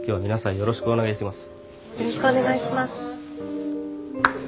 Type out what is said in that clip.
よろしくお願いします。